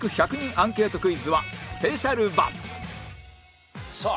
アンケートクイズはスペシャル版さあ